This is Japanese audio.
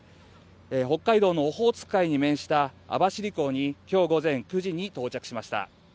北海道のオホーツク海に面した網走港に今日９時に到着しました。